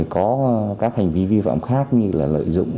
có các hành vi vi phạm khác như là lợi dụng